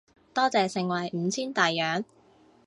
多謝盛惠五千大洋